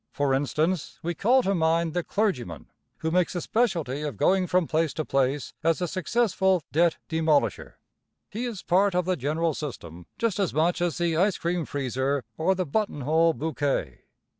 For instance, we call to mind the clergyman who makes a specialty of going from place to place as a successful debt demolisher. He is a part of the general system, just as much as the ice cream freezer or the buttonhole bouquet.